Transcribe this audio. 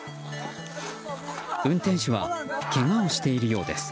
運転手はけがをしているようです。